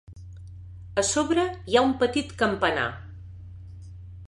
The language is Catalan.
A sobre hi ha un petit campanar.